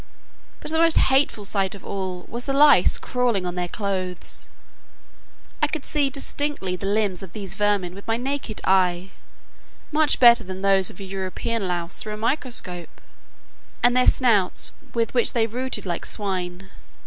But the most hateful sight of all, was the lice crawling on their clothes. I could see distinctly the limbs of these vermin with my naked eye, much better than those of a European louse through a microscope, and their snouts with which they rooted like swine.